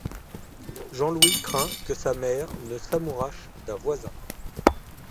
Jean-Louis craint que sa mère ne s'amourache d'un voisin.